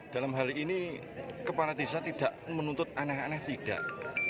dalam hal ini kepala desa tidak menuntut aneh aneh tidak